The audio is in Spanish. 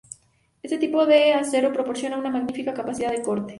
Este tipo de acero proporciona una magnífica capacidad de corte.